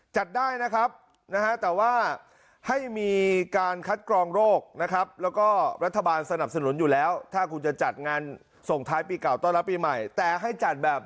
จัดได้นะครับนะฮะแต่ว่าให้มีการคัดกรองโรคนะครับแล้วก็รัฐบาลสนับสนุนอยู่แล้วถ้าคุณจะจัดงานส่งท้ายปีเก่าต้อนรับปีใหม่แต่ให้จัดแบบ